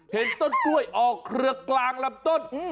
เห็นต้นกล้วยออกเครือกลางลำต้น